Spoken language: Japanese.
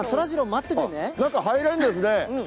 中、入れるんですね。